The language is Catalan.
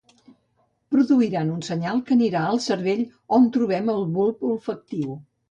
Produiran un senyal que anirà al cervell on trobem el bulb olfactiu